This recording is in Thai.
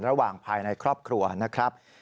ระหว่างภายในครอบครัวนะครับ